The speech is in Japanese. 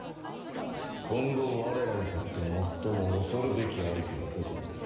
今後我らにとって最も恐るべき相手はどこになる？